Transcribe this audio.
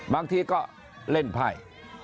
บางทีก็เล่นภาย